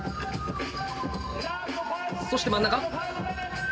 そして真ん中。